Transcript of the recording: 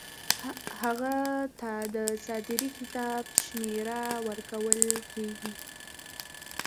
هغه ته د صادرې کتاب شمیره ورکول کیږي.